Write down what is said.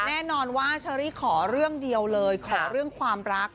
แน่นอนว่าเชอรี่ขอเรื่องเดียวเลยขอเรื่องความรัก